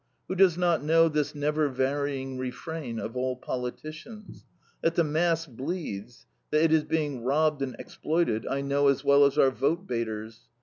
Who does not know this never varying refrain of all politicians? That the mass bleeds, that it is being robbed and exploited, I know as well as our vote baiters.